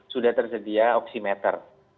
sudah tersedia oksimeter